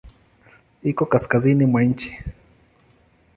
Iko kaskazini mwa nchi.